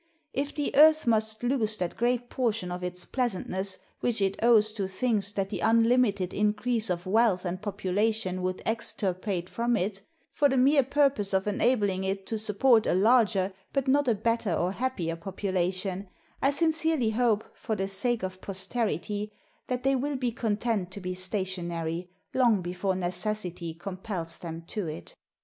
If the earth must lose that great portion of its pleasantness which it owes to things that the unlimited increase of wealth and population would extirpate from it, for the mere purpose of enabling it to support a larger but not a better or a happier population, I sincerely hope, for the sake of posterity, that they will be content to be stationary, long before necessity compels them to it.